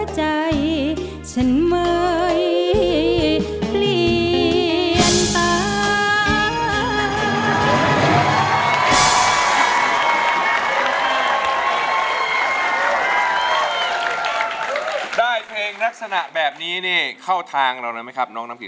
ใจฉันยังรอยังรอยังรอฝันไป